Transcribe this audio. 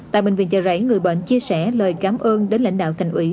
tại bệnh viện chợ rẫy người bệnh chia sẻ lời cảm ơn đến lãnh đạo thành ủy